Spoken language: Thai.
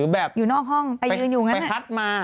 แบบว่า